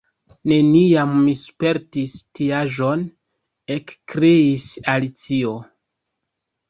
"Neniam mi spertis tiaĵon," ekkriis Alicio.